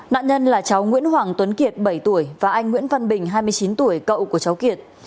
nạn nhân là cháu nguyễn hoàng tuấn kiệt bảy tuổi và anh nguyễn văn bình hai mươi chín tuổi cậu của cháu kiệt